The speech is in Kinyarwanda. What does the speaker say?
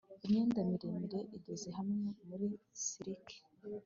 Imyenda miremire idoze hamwe muri silik